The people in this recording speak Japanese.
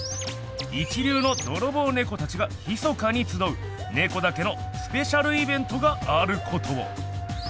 一流のドロボウネコたちがひそかにつどうネコだけのスペシャルイベントがあることを！